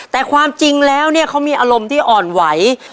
แต่ความจริงแล้วเนี่ยเขามีอารมณ์ที่อ่อนไหว